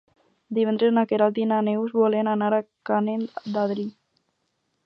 Divendres na Queralt i na Neus volen anar a Canet d'Adri.